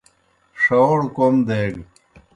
ݜہوڑ کوْم دیگہ۔)